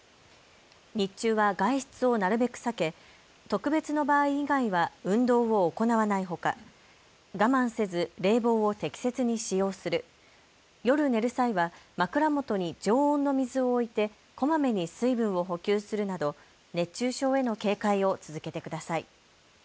日中は外出をなるべく避け特別の場合以外は運動を行わないほか、我慢せず冷房を適切に使用する、夜、寝る際は枕元に常温の水を置いて、こまめに水分を補給するなど熱中症への警戒を続けてください。